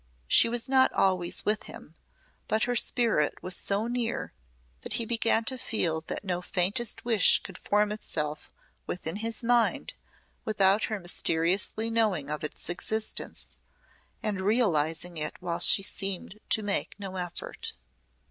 She was not always with him, but her spirit was so near that he began to feel that no faintest wish could form itself within his mind without her mysteriously knowing of its existence and realising it while she seemed to make no effort.